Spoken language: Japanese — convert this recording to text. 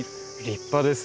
立派ですね。